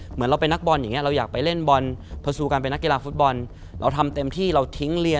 เหมือนเราเป็นนักบอลอย่างนี้